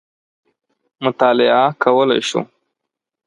مطالعه کولای شو.